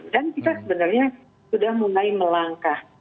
dan kita sebenarnya sudah mulai melangkah